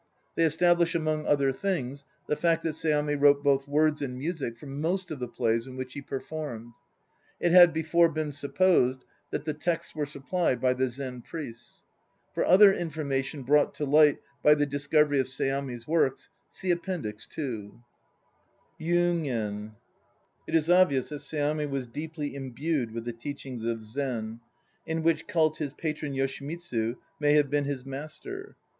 They establish, among other things, the fact that Seami wrote both words and music for most of the plays in which he performed. It had before been supposed that the texts were supplied by the Zen priests. For other information brought to light by the discovery of Seami's Works see Appendix II. YUGEN It is obvious that Seami was deeply imbued with the teachings of Zen, in which cult his patron Yoshimitsu may have been his master.